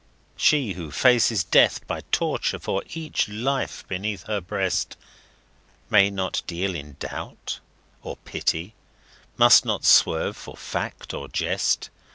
She who faces Death by torture for each life beneath her breast May not deal in doubt or pity must not swerve for fact or jest.